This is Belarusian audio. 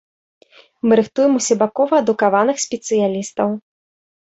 Мы рыхтуем усебакова адукаваных спецыялістаў.